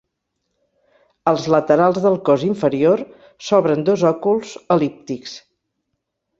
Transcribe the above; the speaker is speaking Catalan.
Als laterals del cos inferior s'obren dos òculs el·líptics.